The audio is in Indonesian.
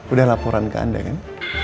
udah laporan ke anda kan